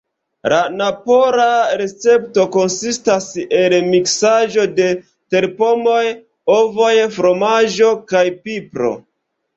La napola recepto konsistas el miksaĵo de terpomoj, ovoj, fromaĝo kaj pipro.